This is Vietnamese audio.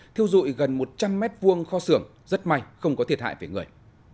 thiêu dụi gần một trăm linh m hai kho xưởng rất may không có thiệt hại về người